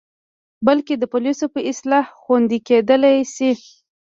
بلکې د پالسیو په اصلاح خوندې کیدلې شي.